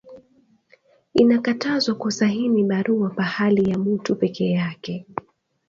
Inakatazwa ku sahini barua phali ya mutu peke yake